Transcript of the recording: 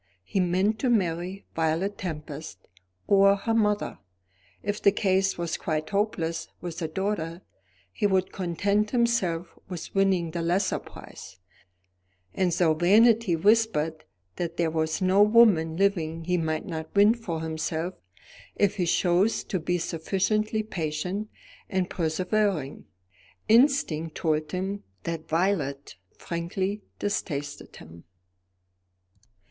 He meant to marry Violet Tempest or her mother. If the case was quite hopeless with the daughter, he would content himself with winning the lesser prize; and though Vanity whispered that there was no woman living he might not win for himself if he chose to be sufficiently patient and persevering, instinct told him that Violet frankly detested him.